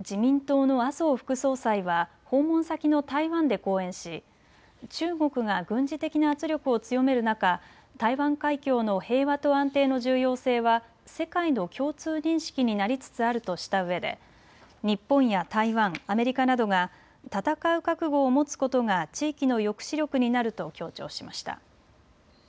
自民党の麻生副総裁は訪問先の台湾で講演し中国が軍事的な圧力を強める中、台湾海峡の平和と安定の重要性は世界の共通認識になりつつあるとしたうえで日本や台湾、アメリカなどが戦う覚悟を持つことが地域の抑止力になると強調しました。